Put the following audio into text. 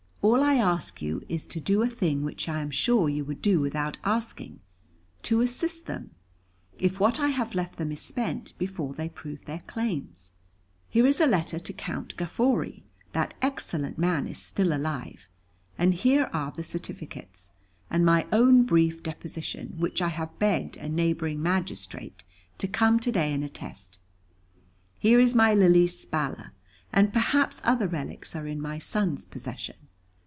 All I ask you is to do a thing which I am sure you would do without asking to assist them, if what I have left them is spent before they prove their claims. Here is a letter to Count Gaffori; that excellent man is still alive; and here are the certificates, and my own brief deposition, which I have begged a neighbouring magistrate to come to day and attest; here is my Lily's Spalla, and perhaps other relics are in my son's possession.